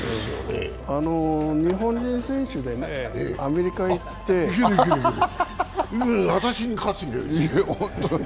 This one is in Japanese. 日本人選手でアメリカへ行って私に喝入れる。